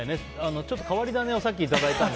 ちょっと変わり種をさっきいただいたので。